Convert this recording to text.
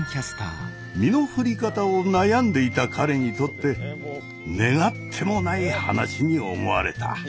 身の振り方を悩んでいた彼にとって願ってもない話に思われた。